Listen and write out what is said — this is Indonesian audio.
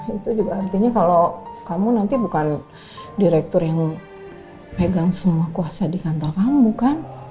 itu juga artinya kalau kamu nanti bukan direktur yang pegang semua kuasa di kantor kamu kan